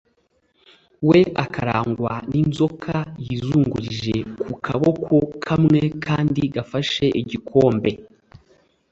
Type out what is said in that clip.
we akarangwa n’inzoka yizungurije ku kaboko kamwe akandi gafashe igikombe